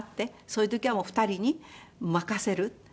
そういう時は２人に任せるって。